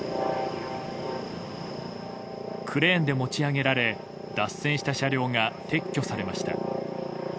クレーンで持ち上げられ脱線した車両が撤去されました。